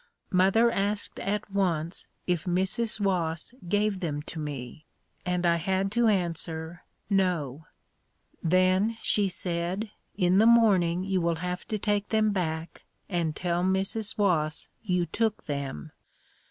Mother asked at once if Mrs. Wass gave them to me and I had to answer, "No." "Then," she said, "in the morning you will have to take them back and tell Mrs. Wass you took them."